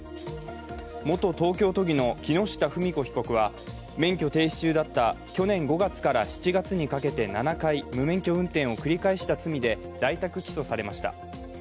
元東京都議の木下富美子被告は免許停止中だった去年５月から７月にかけて７回、無免許運転を繰り返した罪で在宅起訴されました。